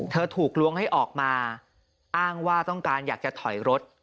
ถูกล้วงให้ออกมาอ้างว่าต้องการอยากจะถอยรถ